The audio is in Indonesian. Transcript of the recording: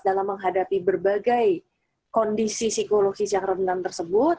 dalam menghadapi berbagai kondisi psikologis yang rentan tersebut